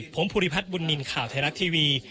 ผมภูริพัฒน์บุญนินทร์ข่าวไทยรัฐทีวี